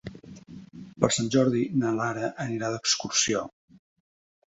Per Sant Jordi na Lara anirà d'excursió.